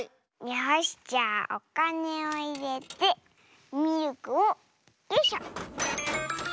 よしじゃあおかねをいれてミルクをよいしょ！